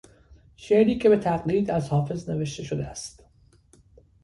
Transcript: شعری که به تقلید از حافظ نوشته شده است